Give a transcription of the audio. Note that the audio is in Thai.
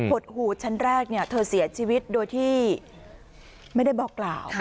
หดหูชั้นแรกเธอเสียชีวิตโดยที่ไม่ได้บอกกล่าว